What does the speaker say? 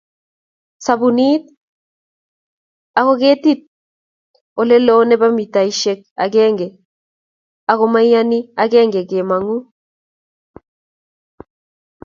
sabunit, ago ketepi oleloo nebo mitaishek agenge ak komanyii agenge kemangu